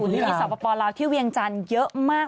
อยู่สาวประปอล์ราวที่เวียงจันทร์เยอะมาก